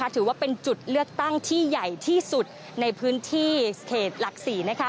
ถือว่าเป็นจุดเลือกตั้งที่ใหญ่ที่สุดในพื้นที่เขตหลัก๔